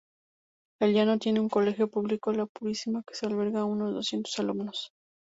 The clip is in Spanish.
El Llano tiene un Colegio Público, "La Purísima", que alberga a unos doscientos alumnos.